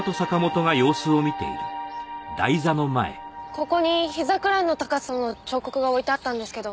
ここにひざくらいの高さの彫刻が置いてあったんですけど